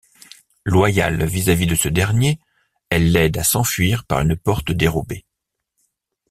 Loyale vis-à-vis de ce dernier, elle l'aide à s'enfuir par une porte dérobée.